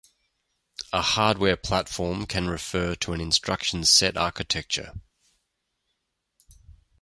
A hardware platform can refer to an instruction set architecture.